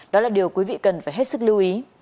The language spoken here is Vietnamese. đó là điều quý vị cần phải hết sức lưu ý